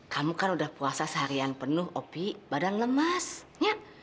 kamu kan udah puasa seharian penuh opi badan lemas ya